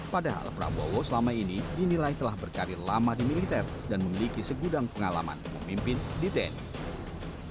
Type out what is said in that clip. padahal prabowo selama ini dinilai telah berkarir lama di militer dan memiliki segudang pengalaman memimpin di tni